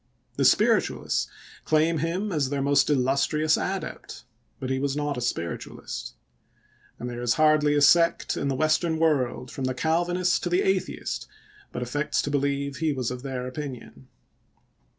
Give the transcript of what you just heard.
The Spiritualists claim him as their most illustrious adept, but he was not a Spiritualist ; and there is hardly a sect in the Western world, from the Calvinist to the atheist, but affects to believe he was of their opinion.